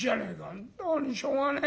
本当にしょうがねえ。